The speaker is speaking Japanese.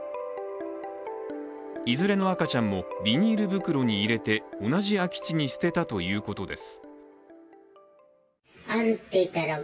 いずれの赤ちゃんもビニール袋に入れて同じ空き地に捨てたということです。